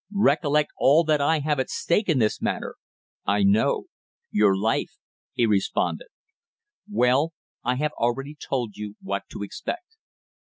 Recollect all that I have at stake in this matter." "I know your life," he responded. "Well, I have already told you what to expect."